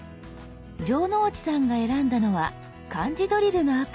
城之内さんが選んだのは漢字ドリルのアプリ。